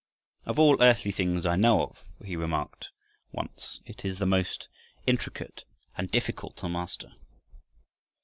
"Of all earthly things I know of," he remarked once, "it is the most intricate and difficult to master."